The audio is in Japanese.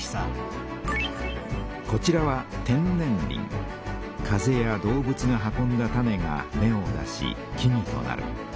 こちらは風や動物が運んだ種が芽を出し木々となる。